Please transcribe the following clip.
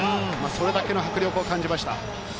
それだけの迫力を感じました。